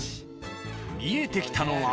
見えてきたのは。